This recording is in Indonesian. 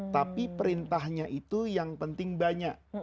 tapi perintahnya itu yang penting banyak